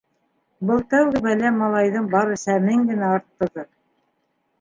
Был тәүге бәлә малайҙың бары сәмен генә арттырҙы.